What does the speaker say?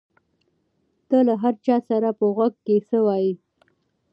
ته له هر چا سره په غوږ کې څه وایې؟